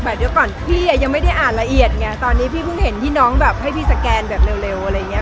แต่เดี๋ยวก่อนพี่ยังไม่ได้อ่านละเอียดไงตอนนี้พี่เพิ่งเห็นที่น้องแบบให้พี่สแกนแบบเร็วอะไรอย่างนี้